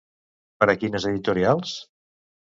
Per a quines editorials?